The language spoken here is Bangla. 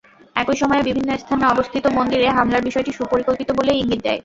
একই সময়ে বিভিন্ন স্থানে অবস্থিত মন্দিরে হামলার বিষয়টি সুপরিকল্পিত বলেই ইঙ্গিত দেয়।